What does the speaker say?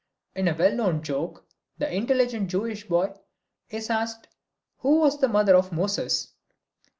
In a well known joke the intelligent Jewish boy is asked who was the mother of Moses.